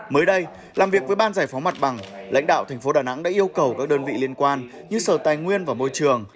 mới đây làm việc với ban giải phóng mặt bằng lãnh đạo thành phố đà nẵng đã yêu cầu các đơn vị liên quan như sở tài nguyên và môi trường